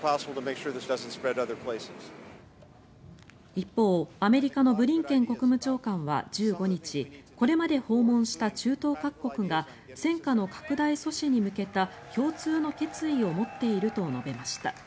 一方、アメリカのブリンケン国務長官は１５日これまで訪問した中東各国が戦火の拡大阻止に向けた共通の決意を持っていると述べました。